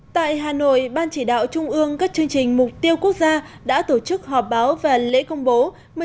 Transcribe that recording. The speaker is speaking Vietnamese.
tại hà nội ban chỉ đạo trung ương các chương trình mục tiêu quốc gia đã tổ chức họp báo và lễ công bố